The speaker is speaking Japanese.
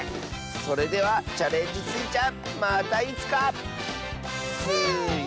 それでは「チャレンジスイちゃん」またいつか！スイスーイ！